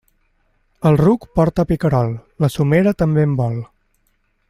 El ruc porta picarol, la somera també en vol.